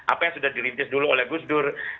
apa yang sudah dirintis dulu oleh gus dur